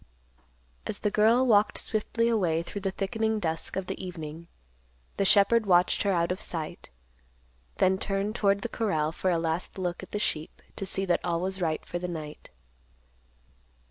As the girl walked swiftly away through the thickening dusk of the evening, the shepherd watched her out of sight; then turned toward the corral for a last look at the sheep, to see that all was right for the night.